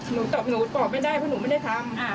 ตอบหนูตอบไม่ได้เพราะหนูไม่ได้ทำ